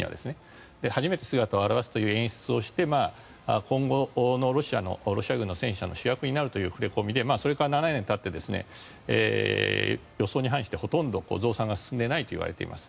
初めて姿を現すという演出をして今後のロシア軍の戦車の主役になるというふれこみでそれから７年たって予想に反してほとんど増産が進んでいないといわれています。